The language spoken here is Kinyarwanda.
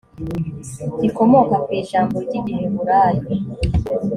rikomoka ku ijambo ry igiheburayo